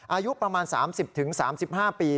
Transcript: อายุประมาณ๓๐๓๕ปี